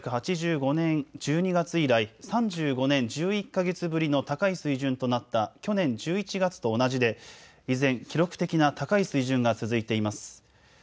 １９８５年１２月以来、３５年１１か月ぶりの高い水準となった去年１１月と同じで依然、記録的な高値水準が続いています。